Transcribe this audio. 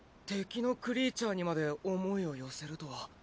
敵のクリーチャーにまで思いを寄せるとは。